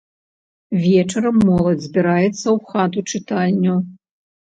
Вечарам моладзь збіраецца ў хату-чытальню.